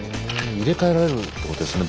入れ替えられるってことですね